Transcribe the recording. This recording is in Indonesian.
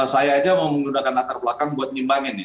saya saja menggunakan latar belakang buat nimbangin ya